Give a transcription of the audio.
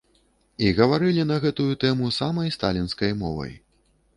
І гаварылі на гэтую тэму самай сталінскай мовай.